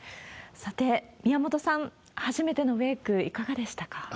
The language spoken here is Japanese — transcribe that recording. さて、宮本さん、初めてのウェーク、いかがでしたか。